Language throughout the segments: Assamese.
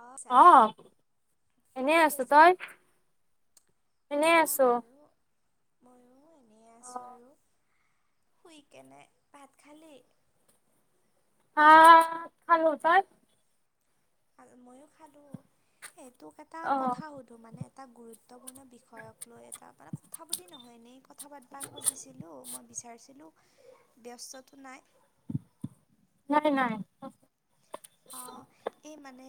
অ' আচ্ছা, কি এনেই কৰি আছো আছা? তই এনেই আহ আছো ময়ো ময়ো এনেই অ আছোঁ আৰু, শুই কেনে। ভাত খালি? অ' খালো। তই? মইয়ো খালো, তোক এটা অ কথা সুধ মানে এটা গুৰুত্বপূৰ্ণ বিষয়ক লৈ এটা মানে কথা বুলি নহয় এনেই কথা পাতবা খুজিছিলোঁ, মই বিচাৰিছিলোঁ। ব্যস্তটো নাই? নাই নাই। অঁ, এই মানে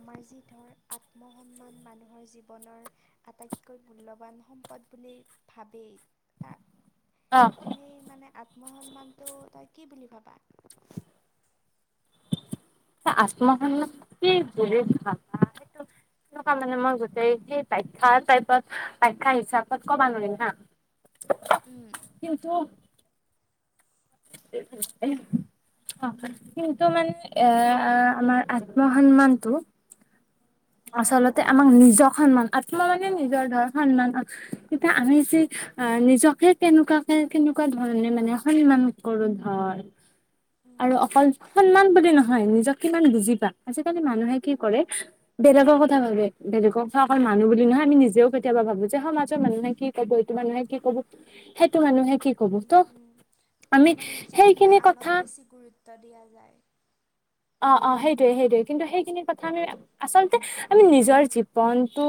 আমাৰ যি ধৰ আত্মসন্মান মানুহৰ জীৱনৰ আটাইতকৈ মূল্যৱান সম্পদ ভাবেই। তাৰ অঁ। সেই মানে, আত্মসন্মানটো তই কি বুলি ভাবা? আত্মসন্মান মানে কি বুলি ভাবা। তেনেকুৱা মানে মই গোটেই মানে টাইপত বাখ্যা হিচাপত ক'বা নোৱাৰিম হা'। [inaudible] উম। কিন্তু [inaudible] অ' কিন্তু মানে এ আমাৰ আত্মসন্মানটো। অঁ আচলতে আমাক নিজক সন্মান আত্ম মানে নিজৰ ধৰ সন্মান এতিয়া আমি যি অ' নিজকে কেনেকুৱা ধৰণে মানে সন্মান কৰো ধৰ। উম, আৰু অকল সন্মান বুলি নহয় নিজক কিমান বুজি পা। আজিকালি মানুহে কি উম, কৰে বেলেগৰ কথা ভাবে বেলেগৰ কথা অকল মানুহ বুলি নহয় আমি নিজেও কেতিয়াবা ভাবো যে সমাজৰ মানুহে কি এইটো মানুহে কি কব সেইটো মানুহে উম, কি কব উম, ত উম। আমি মানে নিজতকে সেইখিনি কথা আনক বেছি গুৰুত্ব দিয়া যায়। অ' অ' সেইটোয়ে সেইটোৱে, কিন্তু সেইখিনি কথা আমি উম, আচলতে আমি নিজৰ জীৱনটো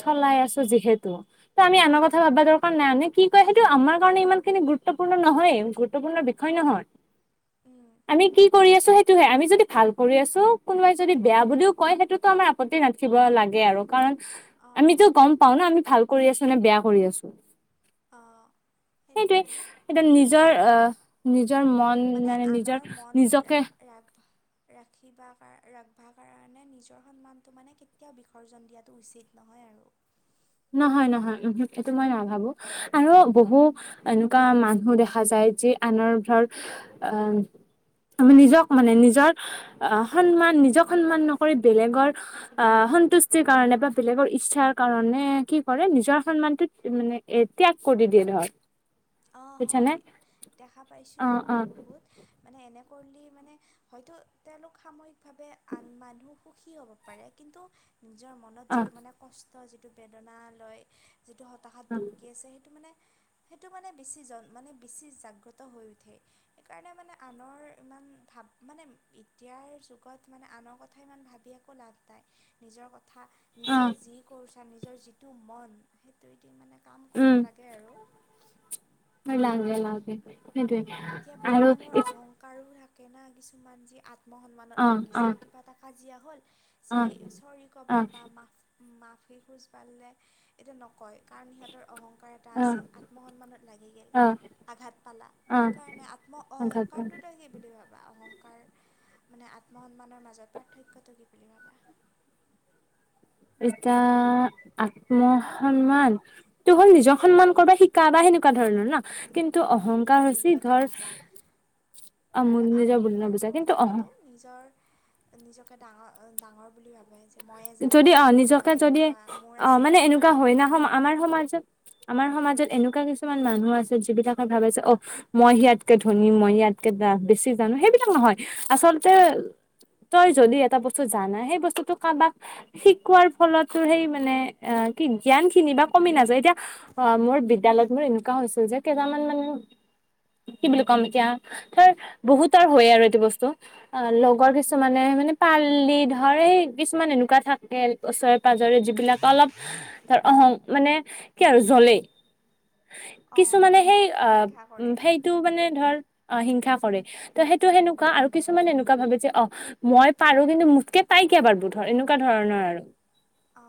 চলাই আছো যিহেতু। ত' আমি আনৰ কথা উম, ভাবা দৰকাৰ নাই, আনে কি কয় সেইটো আমাৰ কাৰণে ইমান খিনি গুৰুত্বপূৰ্ণ নহয়েই। গুৰুত্বপূৰ্ণ বিষয় নহয়। [inaudible] আমি কি কৰি আছো সেইটোহে আমি যদি ভাল কৰি আছো, কোনোবাই যদি বেয়া বুলিও কয় সেইটোতো আমাৰ আপত্তি নাথাকিব লাগে আৰু কাৰণ অঁ আমিতো গম পাওঁ ন, আমি ভাল কৰি আছো নে বেয়া কৰি আছো। অঁ সেইটোৱে, সেইটোৱেতো এতিয়া নিজৰ আহ নিজৰ মন মানে নিজৰ আনৰ মন, নিজকে ৰাগ ৰাখিবা, ৰাখবা কাৰণে নিজৰ সন্মানটো মানে কেতিয়াও বিসৰ্জন দিয়াটো উচিত নহয় আৰু। নহয় নহয়, এইটো মই উম, নাভাবো। আৰু উম। বহু এনেকুৱা মানুহ দেখা যায়, যি আনৰ ধৰ অ' আমি নিজক মানে নিজৰ আহ সন্মান নিজক সন্মান নকৰি বেলেগৰ আ' সন্তুষ্টিৰ কাৰণে বা বেলেগৰ ইচ্ছাৰ কাৰণে কি কৰে নিজৰ সন্মানটো মানে এ ত্যাগ কৰি দিয়ে ধৰ অ' বুইছানে হয় দেখা পাইছোঁ অ অ এনেকুৱা বহুত মানে এনে কৰিলে মানে হয়তো তেওঁলোক সাময়িকভাৱে আন মানুহ সুখী হ'ব পাৰে কিন্তু ‌নিজৰ মনত অ যিটো মানে কষ্ট যিটো বেদনা লৈ যিটো হতাশাত অ ভুগি আছে সেইটো মানে সেইটো মানে বেছি জন মানে বেছি জাগ্ৰত হৈ উঠে সেইকাৰণে মানে আনৰ ইমান ভাব মানে এতিয়াৰ যুগত মানে আনৰ কথা ইমান ভাবি একো লাভ নাই নিজৰ কথা অ নিজে যি কৰিছা নিজৰ যিটো মন সেইটোয়েদি মানে কাম কৰিব উম লাগে আৰু। লাগে লাগে সেইটোৱে আৰু কাৰো থাকে না কিছুমান যি অ আত্মসন্মানত লাগি অ যায় কিবা এটা কাজিয়া হ'ল যি অ চৰি অ কবা বা মাফ মাফি খোজবৰলে এতিয়া নকয় কাৰণ সিহঁতৰ অহংকাৰ এটা আছে অ আত্মসন্মানত লাগি গে'ল। আঘাত পালা অ সেইকাৰণে আত্ম অহংকাৰটো তই কি বুলি ভাব বা অহংকাৰ মানে আত্মসন্মানৰ মাজত পাৰ্থক্যটো কি বুলি ভাবা এতিয়া আত্মসন্মান সেইটো হ'ল নিজক সন্মান কৰিব শিকা বা সেনেকুৱা ধৰণৰ ন কিন্তু উম অহংকাৰ নিজৰ হৈছে মূল্যটো ধৰ বুজা। আৰু নিজৰ বুল নুবুজা অহংকাৰটো কিন্তু অ তাকেতো নিজৰ নিজকে ডাঙৰ ডাঙৰ বুলি ভাবে যে ময়ে জানো যদি আহ নিজকে ময়ে যদি এনেকুৱা মোৰ অ আছে মানে তাৰ এনেকুৱা নাই। হয় না সম আমাৰ সমাজত আমাৰ সমাজত এনেকুৱা কিছুমান মানুহ আছে যিবিলাকে ভাবে যে অ মই সিয়াতকে ধনী ইয়াতকে বা বেছি জানো সেইবিলাক নহয় আচলতে তই যদি এটা বস্তু জানা সেই বস্তুটো কাৰোবাক শিকোৱাৰ ফলতো সেই মানে অ কি জ্ঞান খিনি বা কমি নাযায় এতিয়া অ' মোৰ বিদ্যালয়ত মোৰ এনেকুৱা হৈছিল যে কেইটামান মানে কি বুলি কম এতিয়া তাৰ বহুতৰ হয় আৰু এইটো বস্তু অ' লগৰ কিছুমানে মানে পালি ধৰ এই কিছুমান এনেকুৱা কুৱা থাকে ওচৰে পাজৰে যিবিলাক অলপ তাৰ অহং মানে কি আৰু জ্বলে অঁ কিছুমানে সেই অ' হিংসা কৰে। সেই টো মানে ধৰ অ' হিংসা কৰে ত সেইটো সেনেকুৱা আৰু কিছুমানে এনেকুৱা ভাবে যে অ মই পাৰো কিন্তু মোতকে তাই কেবাৰ বোধৰ এনেকুৱা ধৰণৰ আৰু। অ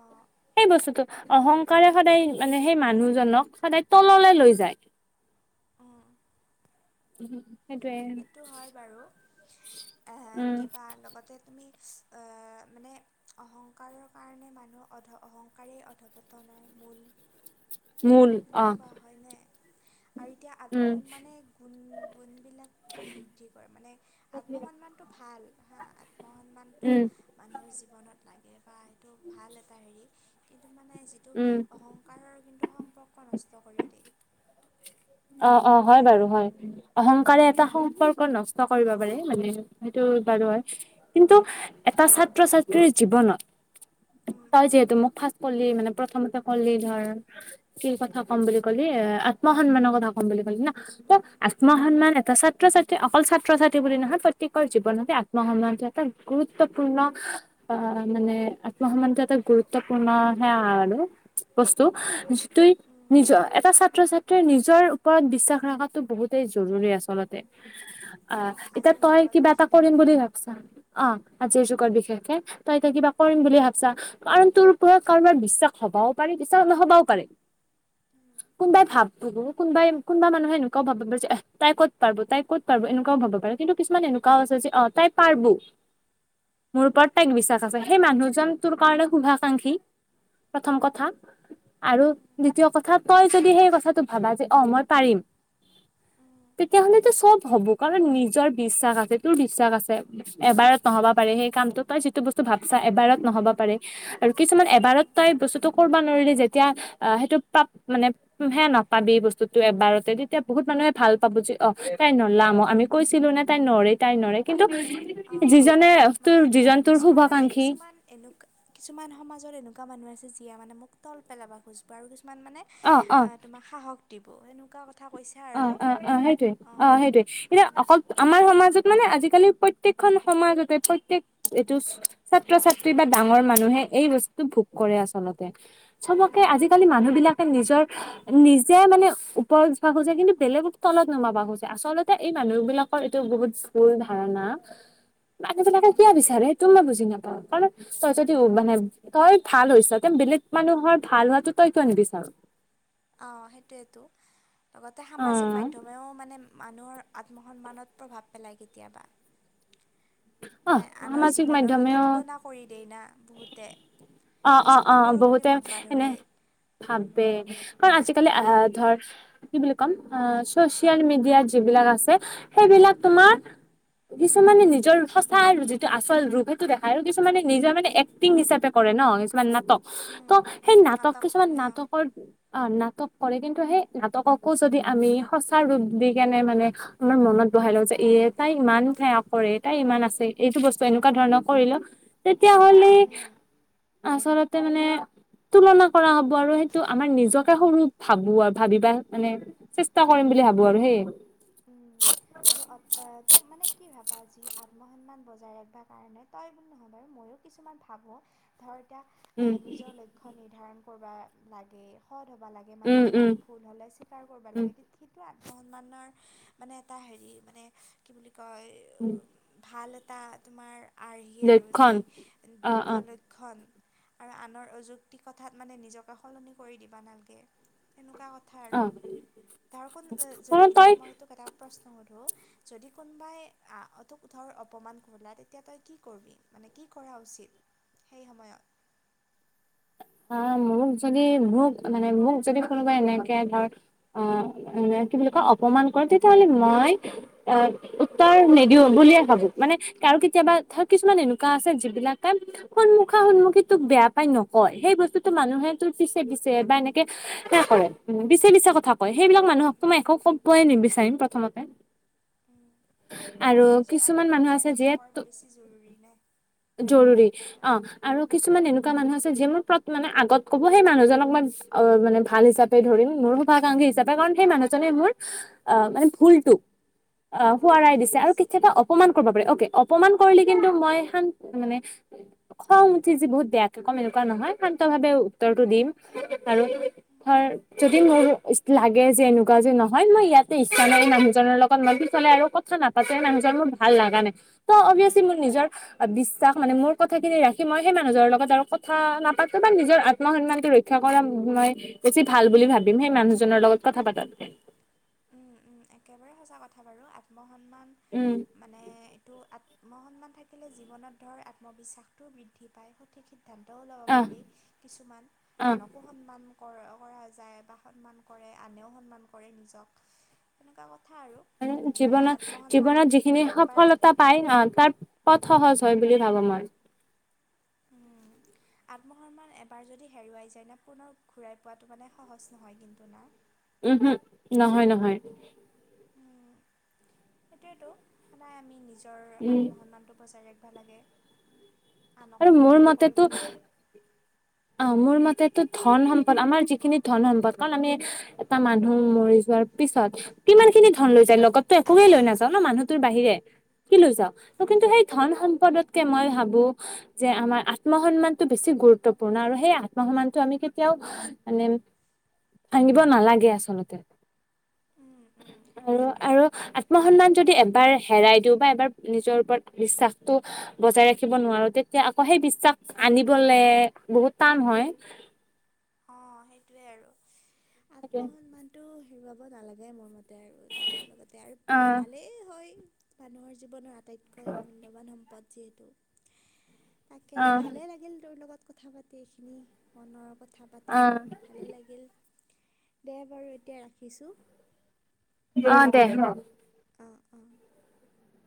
সেই বস্তুটো অহংকাৰে সদায় মানে সেই মানুহজনক সদায় তললে লৈ যায়। অ' উম সেইটোৱে উম সেইটো হয় বাৰু আ উম কিবা লগতে তুমি অ মানে অহংকাৰৰ কাৰণে মানুহ অধ অহংকাৰে অৰ্ধপতনৰ মূল। মূল বুলিও অ কোৱা হয় নে আৰু এতিয়া উম আত্মসন্মানে গুণ গুণবিলাক বৃ বৃদ্ধি কৰে মানে আত্মসন্মানটো ভাল হা আত্মসন্মানটো উম মানুহৰ জীৱনত লাগে বা সেইটো ভাল এটা হেৰি কিন্তু মানে যিটো উম অহং কাৰৰ কিন্তু সম্পৰ্ক নষ্ট কৰি দিয়ে। অ-অ হয় বাৰু হয় অহংকাৰে উম, এটা সম্পৰ্ক নষ্ট কৰিব পাৰে মানে। সেইটো উম, বাৰু হয় কিন্তু এটা ছাত্ৰ-ছাত্ৰীৰ জীৱনত উম, হয় যিহেতু মোক ফাষ্ট কলি মানে প্ৰথমতে কলি ধৰ কি কথা ক'ম বুলি কলি এ আত্ম সন্মানৰ কথা কম বুলি ক'লি ন'? উম, আত্ম সন্মান এটা ছাত্ৰ-ছাত্ৰী অকল ছাত্ৰ-ছাত্ৰী বুলি নহয় প্ৰত্যেকৰ জীৱনতে আ আত্ম সন্মান্টো এটা গুৰুত্বপূৰ্ণ অ, মানে আত্মসন্মানটো এটা গুৰুত্বপূৰ্ণ সে আৰু। বস্তু। যিটো উম, নিজৰ এটা ছাত্ৰ-ছাত্ৰীৰ নিজৰ ওপৰত বিশ্বাস ৰখাতো বহুতেই জৰুৰী আচলতে। অ, উম, এতিয়া আজিৰ তই যুগত কিবা এটা কৰিম বিশেষকৈ বুলি ভাবি ছা অ, আজিৰ যুগত বিশেষকে তই এতিয়া কিবা কৰিম বুলি ভাবছা কাৰণ তোৰ ওপৰত কাৰোবাৰ বিশ্বাস হবাও পাৰে বিশ্বাস নহবাও পাৰে। উম, কোনোবাই ভাব কোনোবাই কোনোবা মানুহে এনুকাও ভাব পাৰে যে তাই ক'ত পাৰ তাই ক'ত পাব এনুকাও ভাব পাৰে কিন্তু কিছুমান এনুকাও উম, আছে যে অ, তাই পাৰব। [inaudible] মোৰ উম, ওপৰত তাইক বিশ্বাস আছে সেই মানুহজন তোৰ কাৰণে শুভাকাংক্ষী। প্ৰথম উম, কথা আৰু উম, দ্বিতীয় কথা তই যদি সেই কথাটো ভাবা যে অ, মই পাৰিম উম, তেতিয়া হলেতো চব হ'ব কাৰণ নিজৰ বিশ্বাস আছে তোৰ বিশ্বাস আছে। এবাৰত নহ'ব পাৰে সেই কামটো তই যিটো বস্তু ভাবছা এবাৰত নহ'ব পাৰে। আৰু কিছুমান এবাৰত উম, তই বস্তুটো কৰিব নোৱাৰিলি যেতিয়া অ, সেইটো পাব মানে হে নাপাবি বস্তুত তো এবাৰতে তেতিয়া বহুত মানুহে ভাল পাব যে অ, তাই নলাম অ, আমি কৈছিলোঁ নে তাই নৰে। তাই নৰে কিন্তু অঁ-অঁ যিজনে তোৰ মানে ধৰ যিজন তোৰ কিছুমানে শুভাকাংক্ষী কিছুমান এনেকুৱা কিছুমান সমাজত এনেকুৱা মানুহ আছে যিয়ে মানে মোক তল পেলাব খুজিব আৰু কিছুমান মানে অ-অ আ, তোমাক সাহস দিব সেনেকুৱা কথা কৈছে। অ-অ-অ সেইটোৱে অ, সেইটোৱে এতিয়া উম অকল আমাৰ সমাজত মানে আজিকালি প্ৰত্যেকখন সমাজতে প্ৰত্যেয়ক এইটো ছাত্ৰ-ছাত্ৰী বা ডাঙৰ মানুহে এই বস্তুটো ভোগ কৰে আচলতে। চবকে উম আজিকালি মানুহ বিলাকে নিজৰ নিজে মানে ওপৰত খোজে কিন্তু বেলেগ তলত নমাব খোজে আচলতে এই মানুহ বিলাকৰ এইটো বহুত ভুল ধাৰণা। মানুহবিলাকে উম কিয় বিচাৰে এইতো মই বুজি নাপাওঁ, কাৰণ তই যদি মানে তই ভাল হৈছ তে বেলেগ মানুহৰ ভাল হোৱাটো তই কিয় নিবিচাৰ? অঁ সেইটোৱেটো লগতে অ সামাজিক মাধ্যমেও মানে মানুহৰ আত্মসন্মানত প্ৰভাৱ পেলায় কেতিয়াবা। অ মানে আনৰ সামাজিক জীৱনৰ সৈতে মাধ্যমেও তুলনা কৰি দেই না বহুতে। অ-অ-অ নিজকে সৰু বুলি বহুতে ভাববা এনে ধৰে উম ভাবে। কাৰণ আজিকালি আহ উম ধৰ কি বুলি কম চচিয়েল মিডিয়াত যিবিলাক আছে সেইবিলাক তোমাৰ কিছুমানে নিজৰ সঁচা আৰু যিটো আচল ৰূপ সেইটো দেখাই আৰু কিছুমানে নিজৰ মানে এক্টিং হিচাপে কৰে ন কিছুমান নাটক উম ত সেই নাটক কিছুমান কৰে অঁ নাটকৰ অ নাটক কৰে কিন্তু সেই নাটককো যদি আমি সঁচা ৰূপ দি কেনে মানে আমাৰ মনত বহাই লও যে এই তাই ইমান বেয়া কৰে তাই ইমান আছে এইটো বস্তু এনেকুৱা ধৰণৰ কৰিলো তেতিয়া হ'লে উম আচলতে মানে তুলনা কৰা হ'ব আৰু সেইটো আমাৰ নিজকে সৰু ভাবো আৰু ভাবিবা মানে চেষ্টা কৰিম বুলি ভাবো আৰু সেইয়ে উম আৰু ত তই মানে কি ভাবা যি আত্মসন্মান বজাই ৰাখিবা কাৰণে তই বুলি নহয় বাৰু মইয়ো কিছুমান ভাবো ধৰ উম এতিয়া নিজৰ লক্ষ্য নিৰ্ধাৰণ কৰিব লাগে সৎ হব লাগে উম উম মানুহজন ভুল হ'লে স্বীকাৰ কৰিব উম লাগে সেইটো আত্মসন্মানৰ মানে এটা হেৰি মানে কি বুলি কয় [inaudible] ভাল এটা তোমাৰ আৰ্হি আৰু যি লক্ষণ অ আ অ ল ক্ষণ আৰু আনৰ অযুক্তি কথাত মানে নিজকে সলনি কৰি দিবা নালাগে। তেনেকুৱা কথা আৰু অ তাৰ কোন যদি কাৰণ এতিয়া তই মই তোক এটা প্ৰশ্ন সোধো যদি কোনোবাই তোক ধৰ অপমান কৰিলে তেতিয়া তই কি কৰিবি? মানে কি কৰা উচিত সেই সময়ত? অ মোক যদি মোক মানে মোক যদি কোনোবাই এনেকে ধৰ অ মানে কি বুলি কয় অপমান কৰে তেতিয়াহ'লে মই উত্তৰ নিদিও বুলিয়ে ভাবো মানে আৰু কেতিয়াবা ধৰ কিছুমান এনেকুৱা আছে যিবিলাকে সন্মুখা সন্মুখী তোক বেয়া পাই নকয় সেই বস্তুটো মানুহে তোৰ পিছে পিছে বা এনেকে কৰে পিছে পিছে কথা কয় উম সেইবিলাক উম মানুহকতো উম মই উম ক'বই নিবিচাৰিম প্ৰথমতে উম, আৰু সেইটোৱে নিজৰ কিছুমান মানুহ আত্মসন্মান আছে ৰক্ষা যিয়ে কৰাটো বেছি জৰুৰী না। জৰুৰী অ আৰু কিছুমান এনেকুৱা মানুহ আছে যিবোৰ মানে আগত কব সেই মানুহজনক মই অ মানে ভাল হিচাপে ধৰিম মোৰ শুভকাংক্ষী হিচাপে কাৰণ সেই মানুহ জনে মোৰ আহ মানে ভুলটো অ শুৱৰাই দিছে আৰু কেতিয়াবা অপমান উম কৰিব পাৰে অকে অপমান কৰিলি কিন্তু মই শান মানে খং উঠি যি বহুত বেয়াকে কম এনেকুৱা নহয় শান্ত ভাৱে উত্তৰটো দিম আৰু ধৰ যদি মোৰ লাগে যে এনেকুৱা যে নহয় মই ইয়াতে ইচ্ছা নাই মানুহজনৰ লগত মই পিচলে আৰু কথা নাপাতে মানুহজন মোৰ ভাল লাগা নাই ত অভিয়াচলি মোৰ নিজৰ বিশ্বাস মানে মোৰ কথাখিনি ৰাখি মই সেই মানুহজৰ লগত আৰু কথা না পাতো বা নিজৰ আত্ম সন্মানটো ৰক্ষা কৰা মই বেছি ভাল বুলি ভাবিম সেই মানুহজনৰ লগত কথা পাতাতকে। উম উম একেবাৰে সঁচা কথা বাৰু আত্মসন্মান উম মানে এইটো আ ত্মসন্মান থাকিলে জীৱনত ধৰ আত্মবিশ্বাসটো বৃদ্ধি পায় সঠিক সি দ্ধান্তও ল'ব আহ পাৰি কিছুমান আহ আনকো সন্মান কৰা কৰা যায় বা সন্মান কৰে আনেও সন্মান কৰে নিজক তেনেকুৱা কথা আৰু। উম এতিয়া জীৱনত আত্মসন্মান জীৱনত যদি যিখিনি একবাৰ সফলতা পাই ন তাৰ পথ সহজ হয় বুলি ভাবো মই। উম। আত্মসন্মান এবাৰ যদি হেৰুৱাই যায় না, পুনৰ ঘূৰাই পোৱাটো মানে সহজ নহয় কিন্তু না। উম, উম। নহয়, নহয়। সেইটোৱেতো, সদায় আমি নিজ- নিজৰ উম আত্মসন্মানটো বচাই ৰাখিব লাগে, আৰু আনকো সন্মান কৰিব লাগে। অহ মোৰ মতেতো ধন সম্পদ, আমাৰ যিখিনি ধন সম্পদ। কাৰণ আমি- এটা মানুহ মৰি যোৱাৰ পিছত- কিমান খিনি ধন লৈ যায়! লগতটো একোৱেই লৈ নাযাওঁ ন মানুহটোৰ বাহিৰে। কি লৈ যাওঁ? কিন্তু সেই ধন সম্পদতকে মই ভাবো- যে আমাৰ আত্ম সন্মানটো বেছি গুৰুত্বপূৰ্ণ। পূৰ্ণ আৰু সেই আত্ম সন্মানটো আমি কেতিয়াও মানে- ভাঙিব নালাগে আচলতে। উম উম আৰু, সেইটোৱেতো আৰু- আত্ম সন্মান যদি এবাৰ হেৰাই দিওঁ বা এবাৰ নিজৰ ওপৰত বিশ্বাসটো- বজাই ৰাখিব নোৱাৰো, তেতিয়া আকৌ সেই বিশ্বাস আনিবলে বহুত টান হয়। অহ, সেইটোয়ে আৰু আত্মসন্মানটো হেৰুৱাব নালাগে মোৰ মতে। আৰু নিজৰ লগতে আৰু অ', ভালেই হয় মানুহৰ জীৱনৰ আত- আটাইতকৈ মূল্যৱান সম্পদ যিহেতু। তাকে অ', ভালেই লাগিল তোৰ লগত কথা পাতি, এইখিনি মনৰ কথা পাতিলোঁ। অ', ভালে লাগিল, দে বাৰু এতিয়া ৰাখিছোঁ। অহ দে। অহ, অহ।